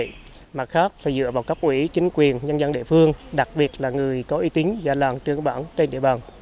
một mặt khác là dựa vào các quỹ chính quyền nhân dân địa phương đặc biệt là người có uy tín già làng trường bản trên địa bàn